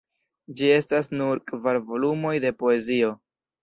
Ĝi estas nur kvar volumoj de poezio.